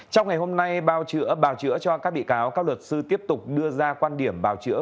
trong ngày hôm nay bào chữa cho các bị cáo các luật sư tiếp tục đưa ra quan điểm bào chữa